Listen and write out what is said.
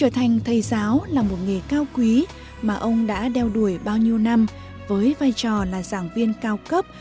trở thành thầy giáo là một nghề cao quý mà ông đã đeo đuổi bao nhiêu năm với vai trò là giảng viên cao cấp